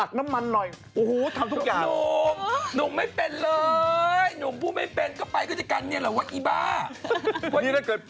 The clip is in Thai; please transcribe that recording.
เข้าวัดจริงแบบเปอร์ตามคำว่าเขาคนเข้าวัดนะ